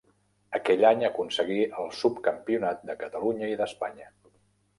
Aquell any, aconseguí el subcampionat de Catalunya i d'Espanya.